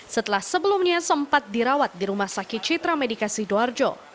setelah sebelumnya sempat dirawat di rumah sakit citra medikasi doarjo